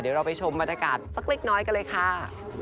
เดี๋ยวเราไปชมบรรยากาศสักเล็กน้อยกันเลยค่ะ